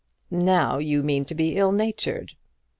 "Now you mean to be ill natured!"